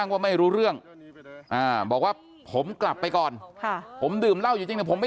ว่าไม่รู้เรื่องบอกว่าผมกลับไปก่อนผมดื่มเหล้าอยู่จริงผมไม่